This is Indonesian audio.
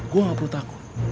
gue gak perlu takut